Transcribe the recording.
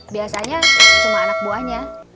biasanya cuma anak buahnya